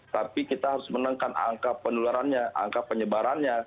tapi kita harus menekan angka penularannya angka penyebarannya